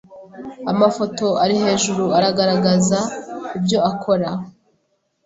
Amafoto ari hejuru aragaragaza ibyo akora